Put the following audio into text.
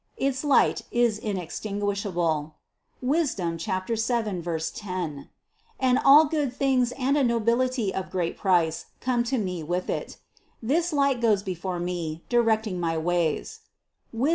Its light is inextinguishable (Wis. 7, 10) and all good things and a nobility of great price come to me with it. This light goes before me, directing my ways (Wis.